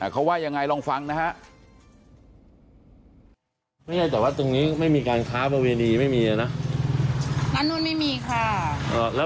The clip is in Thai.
เขาว่ายังไงลองฟังนะฮะ